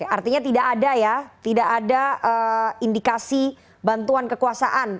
artinya tidak ada ya tidak ada indikasi bantuan kekuasaan